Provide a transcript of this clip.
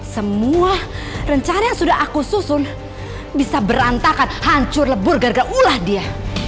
semua rencana sudah aku susun bisa berantakan hancur lebur garga ulah dia